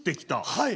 はい。